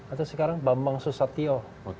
atau sekarang bambang susatio